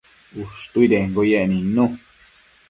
ushtuidenquio yec nidnu